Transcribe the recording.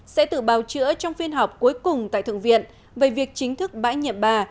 sẽ tự bào chữa trong phiên họp cuối cùng tại thượng viện về việc chính thức bãi nhiệm bà